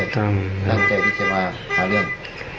ถั้งใจที่จะมาในเรื่อง